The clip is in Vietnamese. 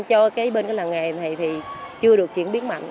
cho cái bên cái làng nghề này thì chưa được chuyển biến mạnh